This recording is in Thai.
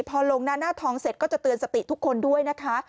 พอลงหน้าทองเสร็จก็จะเตือนสติทุกคนด้วยนะคะ